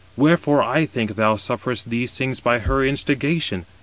Wherefore I think thou sufferest these things by her instigation.